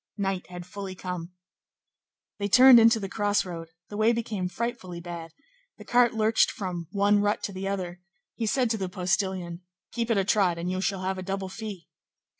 Night had fully come. They turned into the crossroad; the way became frightfully bad; the cart lurched from one rut to the other; he said to the postilion:— "Keep at a trot, and you shall have a double fee."